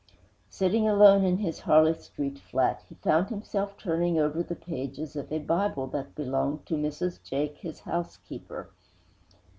Sitting alone in his Harley Street flat, he found himself turning over the pages of a Bible that belonged to Mrs. Jake, his housekeeper.